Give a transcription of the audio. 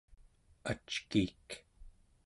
ackiik